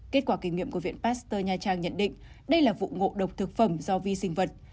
kết quả kiểm nghiệm của viện pasteur nha trang nhận định đây là vụ ngộ độc thực phẩm do vi sinh vật